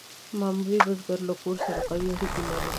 معمولي بزګر له کور سره قوي اړیکې لرلې.